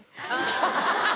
ハハハハハ！